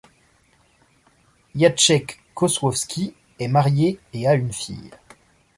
Jacek Kozłowski est marié et a une fille.